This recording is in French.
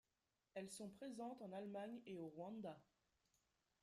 Elles sont présentes en Allemagne et au Rwanda.